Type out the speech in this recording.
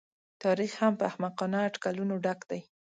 تاریخ هم په احمقانه اټکلونو ډک دی.